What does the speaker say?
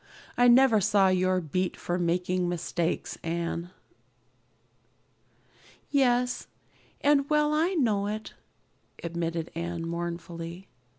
"I never saw your beat for making mistakes, Anne." "Yes, and well I know it," admitted Anne mournfully.